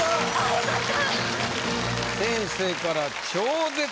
良かった。